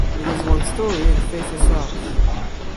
It is one story and faces south.